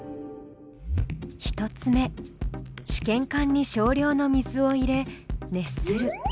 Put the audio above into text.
１つ目試験管に少量の水を入れ熱する。